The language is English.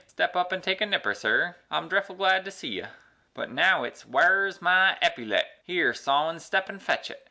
Step up an' take a nipper, sir; I'm dreffle glad to see ye;" But now it's, "Ware's my eppylet? Here, Sawin, step an' fetch it!